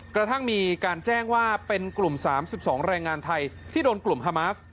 กระทั่งมีการแจ้งว่าเป็นกลุ่ม๓๒แรงงานไทยที่โดนกลุ่มฮามาส